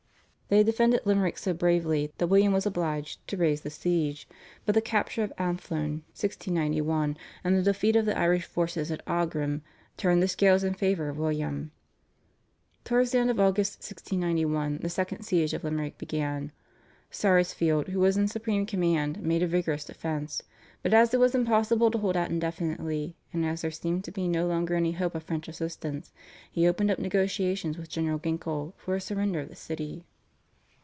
They defended Limerick so bravely that William was obliged to raise the siege, but the capture of Athlone (1691) and the defeat of the Irish forces at Aughrim turned the scales in favour of William. Towards the end of August 1691 the second siege of Limerick began. Sarsfield, who was in supreme command, made a vigorous defence, but, as it was impossible to hold out indefinitely, and as there seemed to be no longer any hope of French assistance, he opened up negotiations with General Ginkle for a surrender of the city.